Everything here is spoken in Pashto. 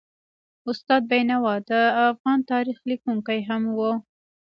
استاد بینوا د افغان تاریخ لیکونکی هم و.